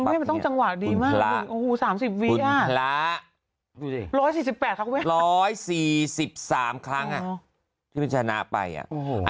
ไม่มันต้องจังหวะดีมาก๓๐วิอ่ะ๑๔๘ครั้ง๑๔๓ครั้งอ่ะที่มันชนะไปอ่ะ